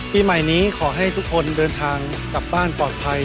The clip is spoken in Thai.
ปีใหม่นี้ขอให้ทุกคนเดินทางกลับบ้านปลอดภัย